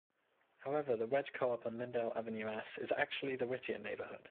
However the Wedge Co-op on Lyndale Avenue S is actually in the Whittier neighborhood.